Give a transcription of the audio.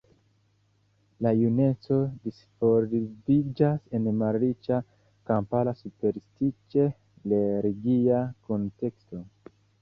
La juneco disvolviĝas en malriĉa, kampara superstiĉe religia kunteksto.